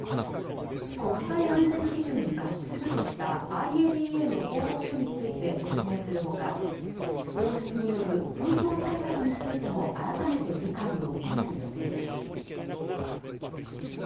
国際安全基準に合致するとしたＩＡＥＡの報告書について説明するほか、放出による風評対策についても改めて理解を求める予定です。